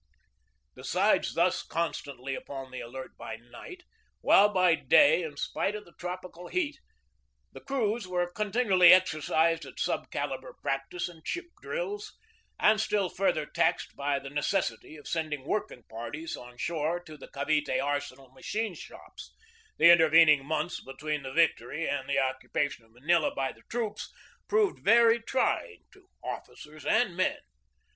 Being thus constantly upon the alert by night, while by day, in spite of the tropical heat, the crews were continually exercised at sub calibre practice and ship drills, and still further taxed by the neces sity of sending working parties on shore to the Ca vite arsenal machine shops, the intervening months AFTER THE BATTLE 245 between the victory and the occupation of Manila by the troops proved very trying to officers and men.